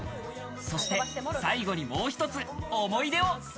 そして最後にもう一つ思い出を。